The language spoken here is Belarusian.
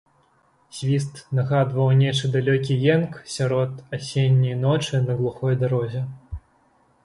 Свіст нагадваў нечы далёкі енк сярод асенняй ночы на глухой дарозе.